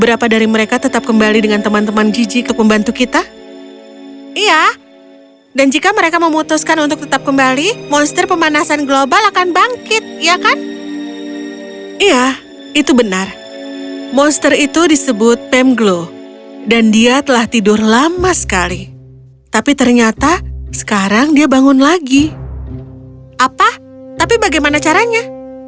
apa tapi bagaimana caranya